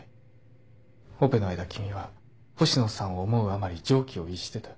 オペの間君は星野さんを思う余り常軌を逸してた。